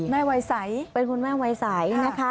วัยใสเป็นคุณแม่วัยใสนะคะ